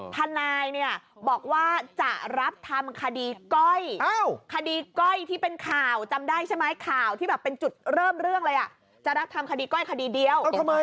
ทนายแอมที่ว่าทนายเนี่ยบอกว่าจะรับทำคดีก้อย